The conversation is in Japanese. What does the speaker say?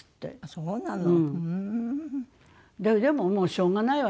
そうなの。